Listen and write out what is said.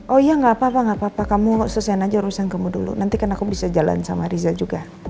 oh iya gak apa apa nggak apa apa kamu selesain aja urusan kamu dulu nanti kan aku bisa jalan sama riza juga